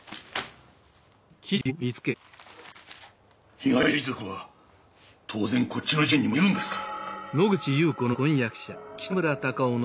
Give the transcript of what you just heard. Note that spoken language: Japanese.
被害者遺族は当然こっちの事件にもいるんですから！